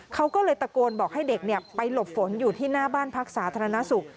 เขาก็เลยตะโกนบอกให้เด็กไปหลบฝนอยู่ที่หน้าบ้านพักสาธารณสุข